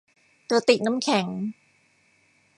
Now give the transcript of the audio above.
กระติกน้ำแข็ง